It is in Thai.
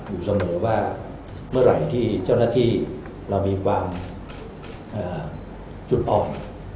อยู่เสมอว่าเมื่อไหร่ที่เจ้าหน้าที่เรามีความจุดอ่อน